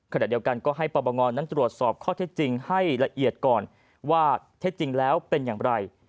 ขณะเดียวกันก็ให้ปปงนั้นตรวจสอบข้อเท็จจริงให้ละเอียดก่อนว่าเท็จจริงแล้วเป็นอย่างไร